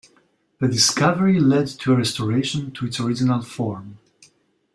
The discovery lead to a restoration to its original form.